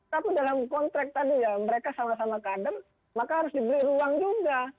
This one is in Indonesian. tapi dalam konteks tadi ya mereka sama sama kader maka harus dibeli ruang juga